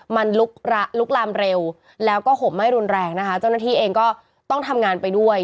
มันลุกลามเร็วแล้วก็ห่มไม่รุนแรงนะคะเจ้าหน้าที่เองก็ต้องทำงานไปด้วย